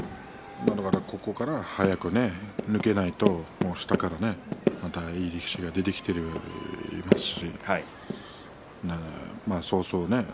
まだまだここから早く抜けないと下からまたいい力士が出てきていますしそうそう